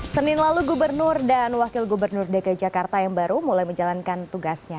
senin lalu gubernur dan wakil gubernur dki jakarta yang baru mulai menjalankan tugasnya